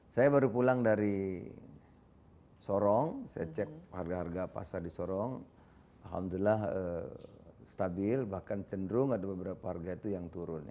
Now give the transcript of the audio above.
saya baru pulang dari sorong saya cek harga harga pasar di sorong alhamdulillah stabil bahkan cenderung ada beberapa harga itu yang turun